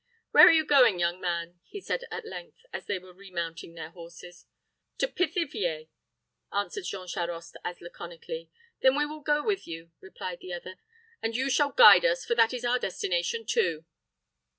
"Where are you going, young man?" he said, at length, as they were remounting their horses. "To Pithiviers," answered Jean Charost, as laconically. "Then we will go with you," replied the other; "and you shall guide us; for that is our destination too."